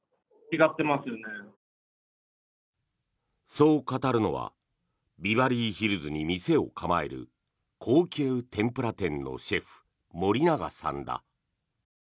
そう語るのはビバリーヒルズに店を構える高級天ぷら店のシェフ森永さんだ。